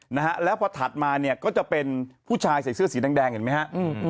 นะฮะแล้วพอถัดมาเนี่ยก็จะเป็นผู้ชายใส่เสื้อสีแดงแดงเห็นไหมฮะอืม